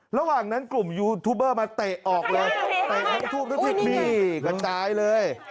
ระหว่างนั้นกลุ่มยูทูบเบอร์มาเตะออกเลยทั้งทูบที่มีกันตายเลย